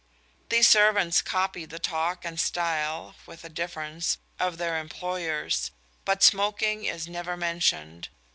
These servants copy the talk and style (with a difference) of their employers; but smoking is never mentioned.